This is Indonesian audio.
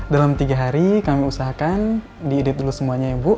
dalam tiga hari kami usahakan diudit dulu semuanya ya bu